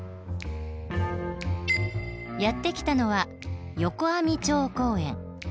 やって来たのは横網町公園。